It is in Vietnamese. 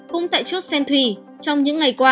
cũng tại chốt sen thùy trong những ngày qua